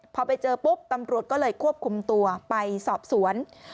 พอไปเจอปุ๊บตำรวจก็เลยควบคุมตัวไปสอบสวน